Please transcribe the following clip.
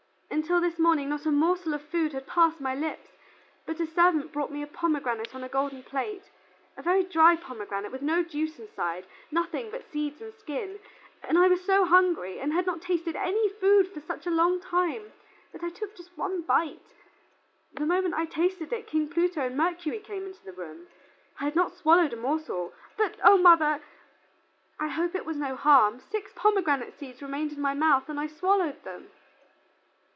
Until this morning not a morsel of food had passed my lips. But a servant brought me a pomegranate on a golden plate, a very dry pomegranate, with no juice inside, nothing but seeds and skin; and I was so hungry, and had not tasted any food for such a long time, that I took just one bite. The moment I tasted it King Pluto and Mercury came into the room. I had not swallowed a morsel, but O mother! I hope it was no harm, six pomegranate seeds remained in my mouth and I swallowed them."